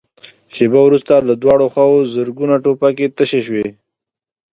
شېبه وروسته له دواړو خواوو زرګونه ټوپکې تشې شوې.